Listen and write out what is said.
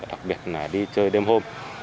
đặc biệt là đi chơi đêm hôm